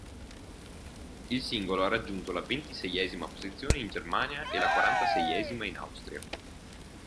Il singolo ha raggiunto la ventiseiesima posizione in Germania e la quarantaseiesima in Austria.